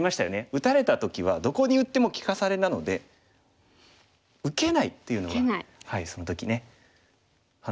打たれた時はどこに打っても利かされなので受けないというのがその時ね話しましたね。